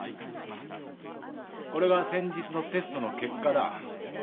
これが先日のテストの結果だ。